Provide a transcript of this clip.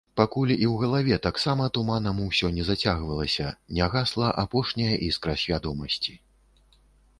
Пакуль і ў галаве таксама туманам усё не зацягвалася, не гасла апошняя іскра свядомасці.